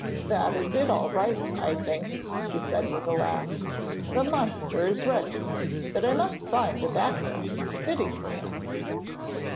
'That is all right, I think,' he said with a laugh. 'The monster is ready, but I must find a background fitting for him.'